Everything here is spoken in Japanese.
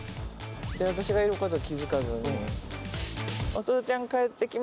私がいること気付かずに。